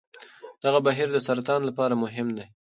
دغه بهیر د سرطان لپاره مهم دی.